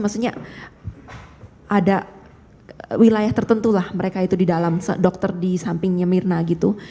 maksudnya ada wilayah tertentu lah mereka itu di dalam dokter di sampingnya mirna gitu